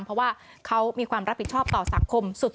เพราะว่าเขามีความรับผิดชอบต่อสังคมสุด